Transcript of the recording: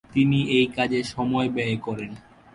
তিনি এই কাজে সময় ব্যয় করেন।